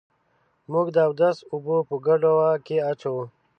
موږ د اودس اوبه په ګډوه کي اچوو.